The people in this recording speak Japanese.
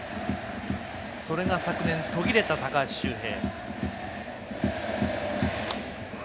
それが昨年、途切れた高橋周平。